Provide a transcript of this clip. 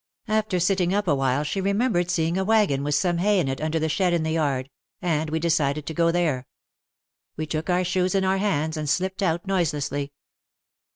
After sitting up a while she remembered seeing a wagon with some hay in it under the shed in the yard, and we decided to go there. We took our shoes in our hands and slipped out noiselessly.